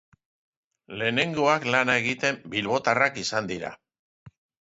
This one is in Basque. Lehenengoak lana egiten bilbotarrak izan dira.